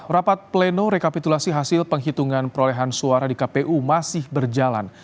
rapat pleno rekapitulasi hasil penghitungan perolehan suara di kpu masih berjalan